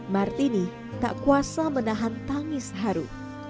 martini tak kuasa menahan tangis haru